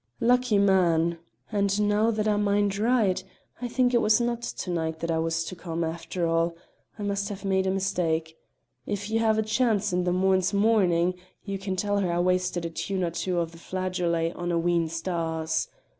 "Lucky man! And now that I mind right, I think it was not to night I was to come, after all; I must have made a mistake. If you have a chance in the morn's morning you can tell her I wasted a tune or two o' the flageolet on a wheen stars.